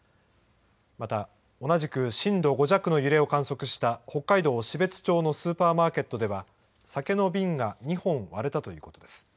また同じく震度５弱の揺れを観測した、北海道標津町のスーパーマーケットでは、酒の瓶が２本割れたということです。